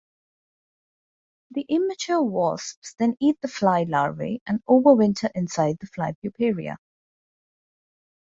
The immature wasps then eat the fly larvae and overwinter inside the fly puparia.